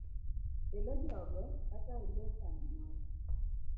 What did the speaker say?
e lo jogo kata e lo kambi moro.